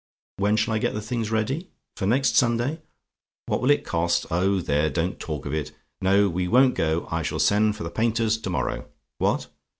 "When shall I get the things ready? For next Sunday? "WHAT WILL IT COST? "Oh, there don't talk of it. No: we won't go. I shall send for the painters to morrow. What?